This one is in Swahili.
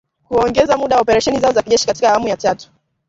Kuongeza muda wa operesheni zao za kijeshi katika awamu ya tatu